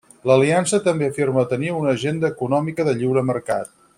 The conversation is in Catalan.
L'aliança també afirma tenir una agenda econòmica de lliure mercat.